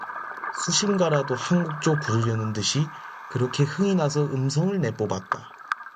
수심가라도 한 곡조 부르려는 듯이 그렇게 흥이 나서 음성을 내뽑았다.